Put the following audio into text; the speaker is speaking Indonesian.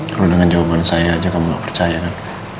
kalau dengan jawaban saya aja kamu gak percaya kan